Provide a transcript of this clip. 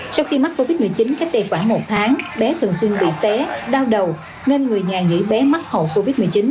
sau khi mắc covid một mươi chín cách đây khoảng một tháng bé thường xuyên bị té đau đầu nên người nhà nghỉ bé mắc hậu covid một mươi chín